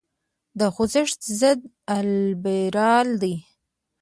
دا خوځښت ضد لیبرال دی.